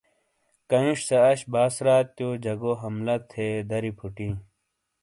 کانئیش سے اش باس راتیو جگو حملہ تھے داری فوٹییں ۔